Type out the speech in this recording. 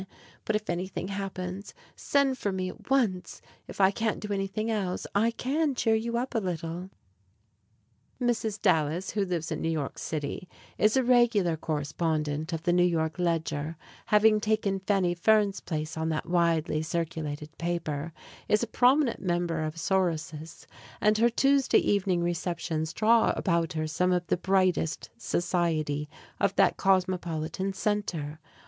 But if anything happens, send for me at once. If I can't do anything else, I can cheer you up a little. Mrs. Dallas, who lives in New York City, is a regular correspondent of the New York Ledger, having taken Fanny Fern's place on that widely circulated paper, is a prominent member of "Sorosis," and her Tuesday evening receptions draw about her some of the brightest society of that cosmopolitan centre.